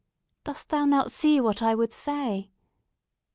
Dost thou not see what I would say?